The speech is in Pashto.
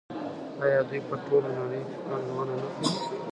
آیا دوی په ټوله نړۍ کې پانګونه نه کوي؟